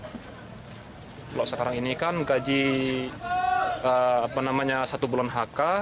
kalau sekarang ini kan gaji satu bulan hk